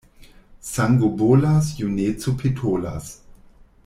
Sango bolas, juneco petolas.